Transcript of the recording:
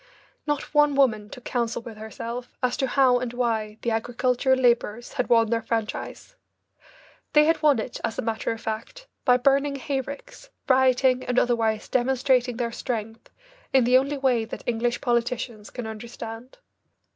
Not one woman took counsel with herself as to how and why the agricultural labourers had won their franchise. They had won it, as a matter of fact, by burning hay ricks, rioting, and otherwise demonstrating their strength in the only way that English politicians can understand.